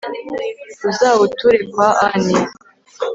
uzawuture kwa ani